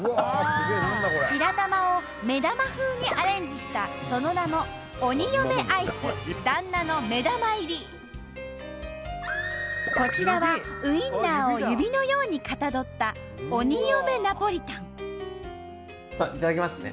白玉を目玉風にアレンジしたその名もこちらはウインナーを指のようにかたどったいただきますね！